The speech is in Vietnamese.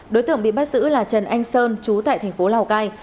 đối tượng bị bắt giữ là trần anh sơn trú tại thành phố lào cai